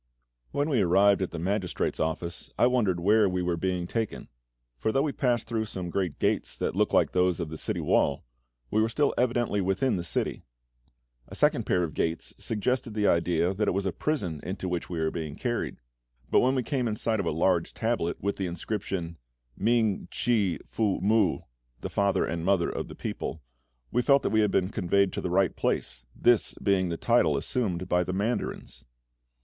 When we arrived at the magistrate's office, I wondered where we were being taken; for though we passed through some great gates that looked like those of the city wall, we were still evidently within the city. A second pair of gates suggested the idea that it was a prison into which we were being carried; but when we came in sight of a large tablet, with the inscription "Ming chï fu mu" (the father and mother of the people), we felt that we had been conveyed to the right place; this being the title assumed by the mandarins.